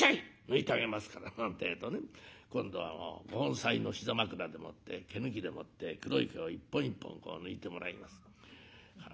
抜いてあげますから」なんてえとね今度はご本妻の膝枕でもって毛抜きでもって黒い毛を一本一本こう抜いてもらいます。